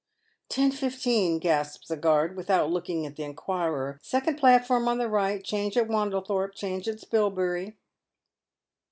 " Ten fifteen," gasps a guard, without looking at the enquirer, " second platform on the right, change at Wandlethorpe, change at Spilbury."